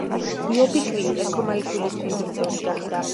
იობიშვილი ერქომაიშვილის გუნდის წევრი გახდა.